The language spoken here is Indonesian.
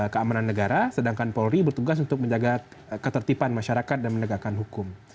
keamanan negara sedangkan polri bertugas untuk menjaga ketertiban masyarakat dan menegakkan hukum